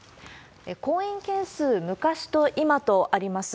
婚姻件数、昔と今とあります。